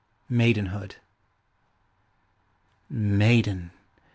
MAIDENHOOD. Maiden!